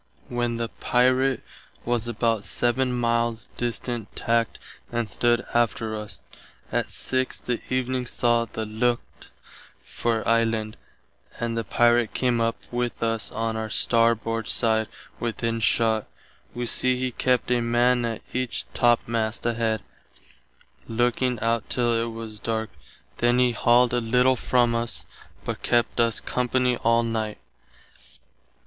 When the Pirate was about 7 miles distant tackt and stood after us. Att 6 that evening saw the lookt for island, and the Pirate came up with us on our starboard side within shott. Wee see he kept a man at each topmast head, looking out till it was darke, then he halled a little from us, but kept us company all night.